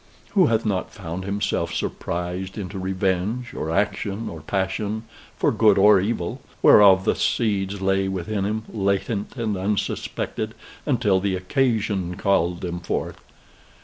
Who hath not found himself surprised into revenge, or action, or passion, for good or evil, whereof the seeds lay within him, latent and unsuspected, until the occasion called them forth?